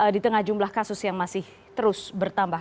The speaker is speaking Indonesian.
di tengah jumlah kasus yang masih terus bertambah